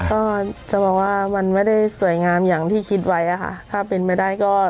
ก็จะบอกว่ามันไม่ได้สวยงามอย่างที่คิดไว้อะค่ะถ้าเป็นไปได้ก็